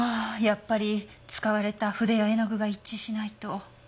やっぱり使われた筆や絵の具が一致しないと。